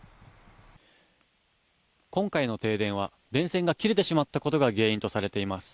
今回の停電は電線が切れてしまったことが原因とされています。